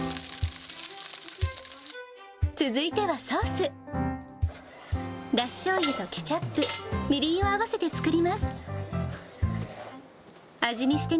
続いてはソース。だししょうゆとケチャップ、みりんを合わせて作ります。